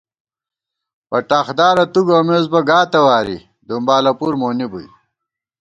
پٹاخدارہ تُو گومېس بہ گا تَواری ، دُمبالَہ پُر مونی بُوئی